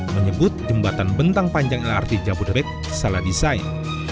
menyebut jembatan bentang panjang lrt jabodebek salah desain